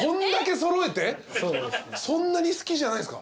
そんなに好きじゃないんですか？